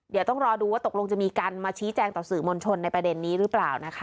เดี๋ยวต้องรอดูว่าตกลงจะมีการมาชี้แจงต่อสื่อมวลชนในประเด็นนี้หรือเปล่านะคะ